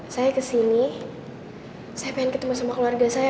saya kesini saya pengen ketemu keluarga saya